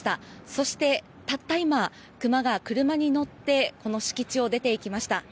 そして、たった今クマが車に乗ってこの敷地を出て行きました。